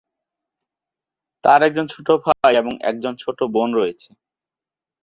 তার একজন ছোট ভাই এবং একজন ছোট বোন রয়েছে।